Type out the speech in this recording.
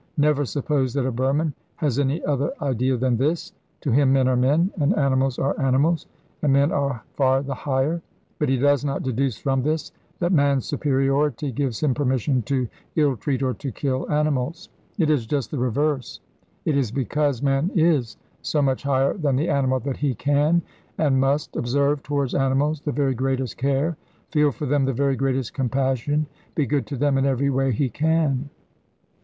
Never suppose that a Burman has any other idea than this. To him men are men, and animals are animals, and men are far the higher. But he does not deduce from this that man's superiority gives him permission to illtreat or to kill animals. It is just the reverse. It is because man is so much higher than the animal that he can and must observe towards animals the very greatest care, feel for them the very greatest compassion, be good to them in every way he can.